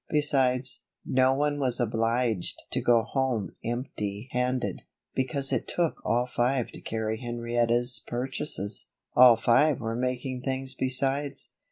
Besides, no one was obliged to go home empty handed, because it took all five to carry Henrietta's purchases. All five were making things besides.